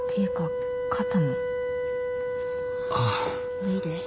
脱いで。